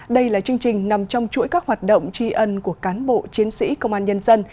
đây là chương trình nằm trong chuỗi các hoạt động tri ân của cán bộ chiến sĩ công an nhân dân